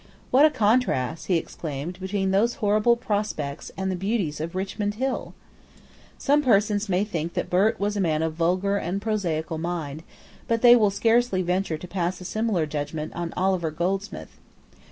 What a contrast, he exclaimed, between these horrible prospects and the beauties of Richmond Hill! Some persons may think that Burt was a man of vulgar and prosaical mind: but they will scarcely venture to pass a similar judgment on Oliver Goldsmith.